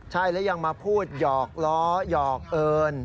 ใช่แล้วยังมาพูดหยอกล้อหยอกเอิญ